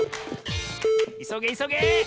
いそげいそげ！